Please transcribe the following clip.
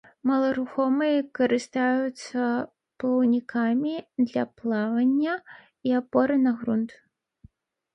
Маларухомыя, карыстаюцца плаўнікамі для плавання і апоры на грунт.